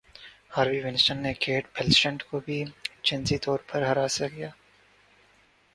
Harvey Weinstein نے Cate Blanchett کو بھی جنسی طور پر ہراساں کیا